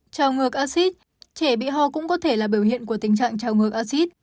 trào ngược acid trẻ bị ho cũng có thể là biểu hiện của tình trạng trào ngược acid